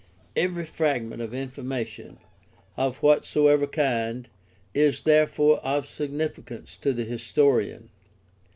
Every fragment of information, of what soever kind, is therefore of significance to the historian.